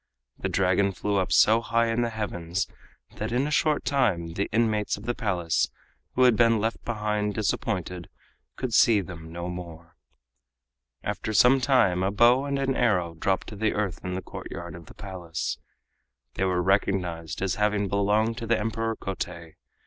The Dragon flew up so high in the heavens that in a short time the inmates of the Palace, who had been left behind disappointed, could see them no more. After some time a bow and an arrow dropped to the earth in the courtyard of the Palace. They were recognized as having belonged to the Emperor Kotei.